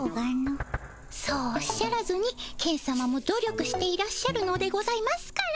そうおっしゃらずにケンさまも努力していらっしゃるのでございますから。